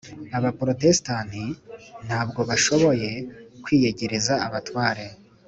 abaporotesitanti ntabwo bashoboye kwiyegereza abatware